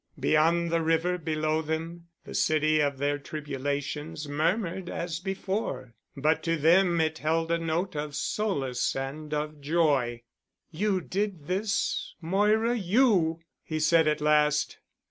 Beyond the river below them, the city of their tribulations murmured as before, but to them it held a note of solace and of joy. "You did this, Moira—you!" he said at last.